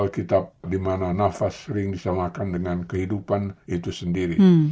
kitab dimana nafas sering disamakan dengan kehidupan itu sendiri